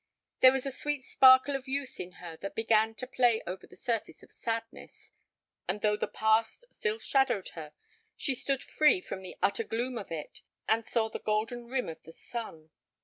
There was a sweet sparkle of youth in her that began to play over the surface of sadness, and though the past still shadowed her, she stood free from the utter gloom of it and saw the golden rim of the sun.